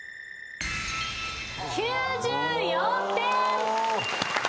９４点。